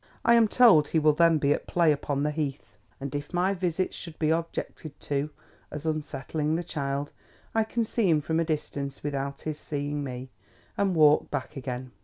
I am told he will then be at play upon the Heath; and if my visits should be objected to, as unsettling the child, I can see him from a distance without his seeing me, and walk back again.